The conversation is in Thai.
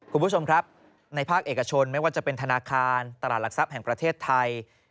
คุณผู้ชมครับในภาคเอกชนไม่ว่าจะเป็นธนาคารตลาดหลักทรัพย์แห่งประเทศไทย